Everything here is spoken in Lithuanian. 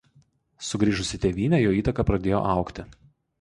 Sugrįžus į tėvynę jo įtaka pradėjo augti.